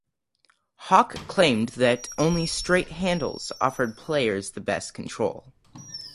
Hock claimed that only straight handles offered players the best control.